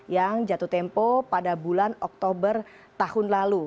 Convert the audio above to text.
yang jatuh tempo pada bulan oktober tahun lalu